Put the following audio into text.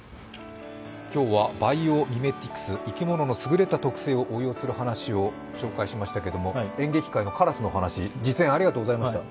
今日はバイオミメティクス、生き物の優れた特性を応用する話を紹介しましたけれども演劇界のカラスの話、実演ありがとうございました。